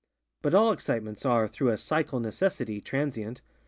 But all excitements are, through a psychal necessity, transient.